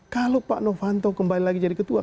kalau pak novanto kembali lagi jadi ketua